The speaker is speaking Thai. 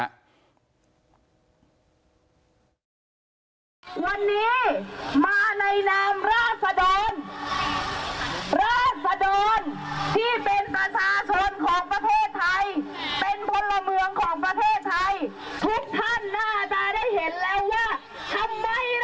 วันนี้มาในนามราศดรราศดรที่เป็นประสาชนของประเทศไทยเป็นพลเมืองของประเทศไทย